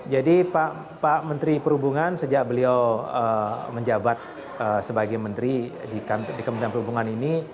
jadi pak menteri perhubungan sejak beliau menjabat sebagai menteri di kementerian perhubungan ini